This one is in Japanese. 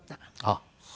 あっ。